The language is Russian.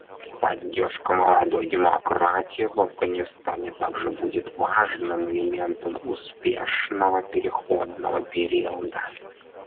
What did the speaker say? Поддержка молодой демократии в Афганистане также будет важным элементом успешного переходного периода.